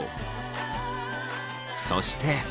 そして。